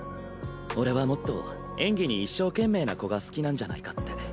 俺はもっと演技に一生懸命な子が好きなんじゃないかって。